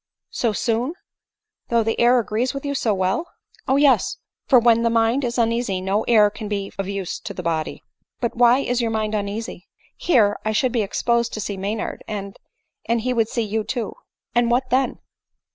" So soon — though the air agrees with you so well ?" ADELINE MOWBRAY. 85 * t " O yes — for when the mind is uneasy no air can be of use to the body." " But why is your mind uneasy ?"" Here I should be exposed to see Maynard, and— and — he would see you too." " And what then